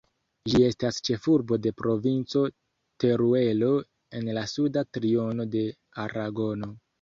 Ĝi estas ĉefurbo de Provinco Teruelo en la suda triono de Aragono.